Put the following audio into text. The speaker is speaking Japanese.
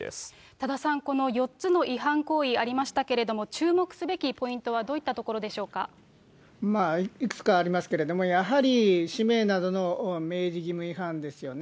多田さん、この４つの違反行為、ありましたけれども、注目すべきポイントはどういったまあ、いくつかありますけれども、やはり氏名などの明示義務違反ですよね。